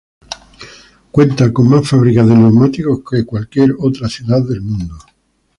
Cuenta con más fábricas de neumáticos que cualquier otra ciudad del mundo.